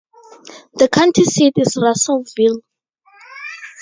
The county seat is Russellville.